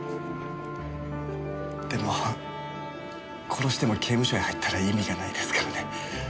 でも殺しても刑務所へ入ったら意味がないですからね。